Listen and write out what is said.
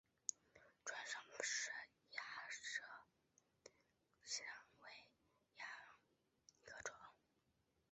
川上氏鸭舌疝为鸭跖草科假紫万年青属下的一个种。